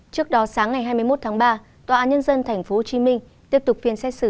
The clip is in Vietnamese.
trước đó sáng ngày hai mươi một tháng ba tòa án nhân dân tp hcm tiếp tục phiên xét xử